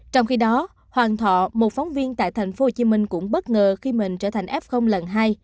trong khi đó hoàng thọ một phóng viên tại tp hcm cũng bất ngờ khi mình trở thành f lần hai